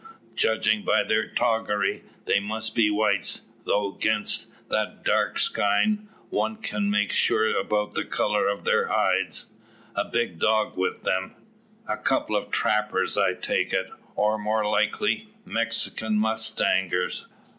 Judgin' by their toggery, they must be whites; though 'gainst that dark sky one can't make sure about the colour of their hides. A big dog with them. A couple of trappers I take it; or, more likely, Mexican mustangers."